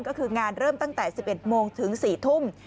ก็คืองานเริ่มตั้งแต่๑๑โมงถึง๔ทุ่ม